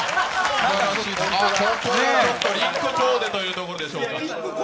そこがちょっと、リンクコーデというところでしょうか。